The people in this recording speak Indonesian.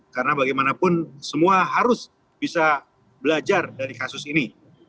karena bagaimanapun semua harus bisa belajar dari kasus ini